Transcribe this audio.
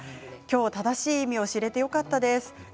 正しい意味を知れてよかったですということです。